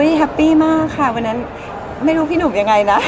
นี่แฮปปี้มากค่ะวันนั้นไม่รู้พี่หนุ่มยังไงนะ